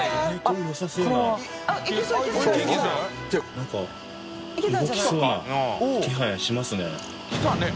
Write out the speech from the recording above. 何か動きそうな気配はしますね。